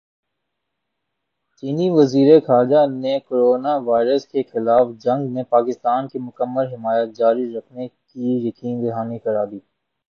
چینی وزیرخارجہ نے کورونا وائرس کےخلاف جنگ میں پاکستان کی مکمل حمایت جاری رکھنے کی یقین دہانی کرادی